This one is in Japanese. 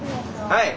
はい。